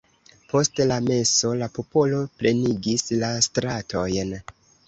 Post la meso la popolo plenigis la stratojn.